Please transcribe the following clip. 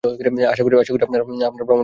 আশাকরি আপানার ভ্রমণ ভালো হয়েছে।